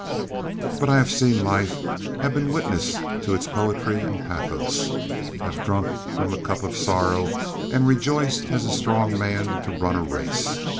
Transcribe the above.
But I have seen life, have been witness to its poetry and pathos, have drunk from the cup of sorrow and rejoiced as a strong man to run a race.